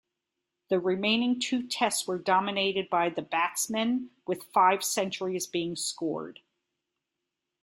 The remaining two Tests were dominated by the batsmen, with five centuries being scored.